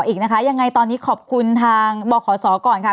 อีกนะคะยังไงตอนนี้ขอบคุณทางบขศก่อนค่ะ